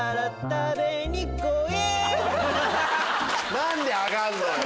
何で上がんのよ